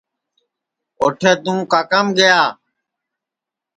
اوٹھے تُوں کاکام گیا